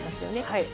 はい。